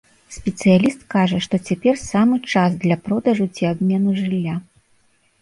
Спецыяліст кажа, што цяпер самы час для продажу ці абмену жылля.